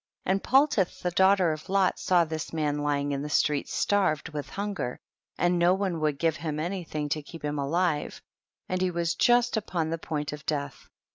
26. And Paltith the daughter of Lot saw this man lying in the streets starved with hunger, and no one would give him any thing to keep him alive, and he was just upon the point of death.